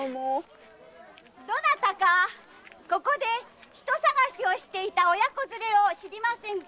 どなたかここで人捜しをしていた親子連れを知りませんか？